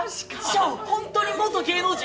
じゃあホントに元芸能人？